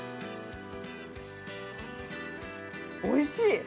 おいしい！